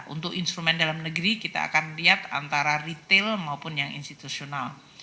untuk instrumen dalam negeri kita akan lihat antara retail maupun yang institusional